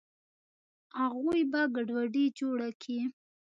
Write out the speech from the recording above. اغوئ به ګډوډي جوړه کي.